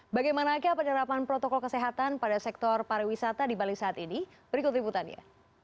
bagaimana akibat penerapan protokol kesehatan pada sektor pariwisata di bali saat ini berikut ributannya